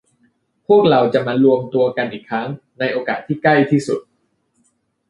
พวกเราจะมารวมตัวกันอีกครั้งในโอกาสที่ใกล้ที่สุด